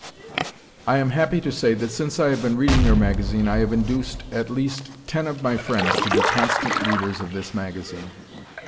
I am happy to say that since I have been reading your magazine, I have induced at least ten of my friends to be constant readers of this magazine.